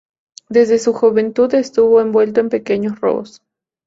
Desde su juventud estuvo envuelto en pequeños robos.